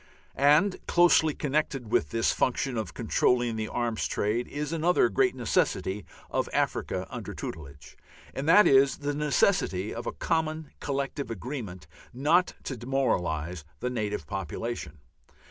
And closely connected with this function of controlling the arms trade is another great necessity of Africa under "tutelage," and that is the necessity of a common collective agreement not to demoralize the native population.